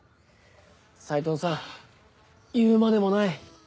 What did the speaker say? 斎藤さん言うまでもない。